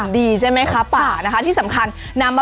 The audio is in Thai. นี่จะทำต่อไปซัวร์ครั้งนี้